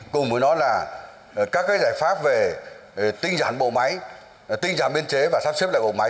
cùng với đó là các giải pháp về tinh giản bộ máy tinh giản biên chế và sắp xếp lại bộ máy